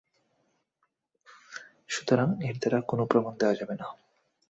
সুতরাং এর দ্বারা কোন প্রমাণ দেয়া যাবে না।